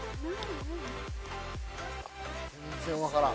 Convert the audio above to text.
全然わからん。